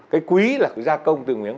cái quý là cái gia công từ nguyễn